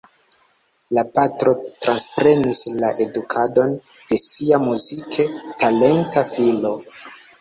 La patro transprenis la edukadon de sia muzike talenta filo.